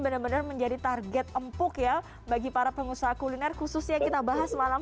benar benar menjadi target empuk ya bagi para pengusaha kuliner khususnya yang kita bahas malam